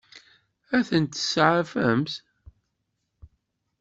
Ad tent-tseɛfemt?